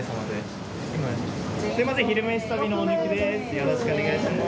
よろしくお願いします。